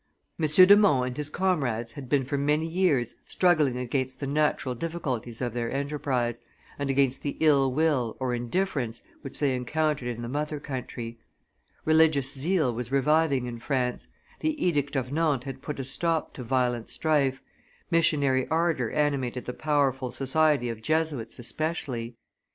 [Illustration: Champlain 190] M. de Monts and his comrades had been for many years struggling against the natural difficulties of their enterprise, and against the ill will or indifference which they encountered in the mother country; religious zeal was reviving in France; the edict of Nantes had put a stop to violent strife; missionary ardor animated the powerful society of Jesuits especially.